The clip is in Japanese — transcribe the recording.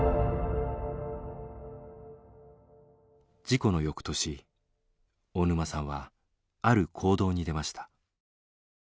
事故の翌年大沼さんはある行動に出ました。